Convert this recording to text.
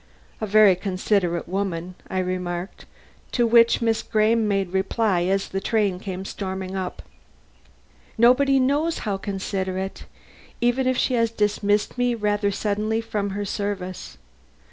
"A very considerate woman," I remarked; to which Miss Graham made reply as the train came storming up: "Nobody knows how considerate, even if she has dismissed me rather suddenly from her service.